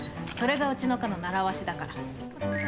それがうちの課のならわしだから。